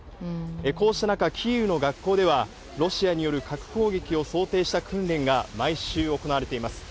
こうした中、キーウの学校ではロシアによる核攻撃を想定した訓練が毎週行われています。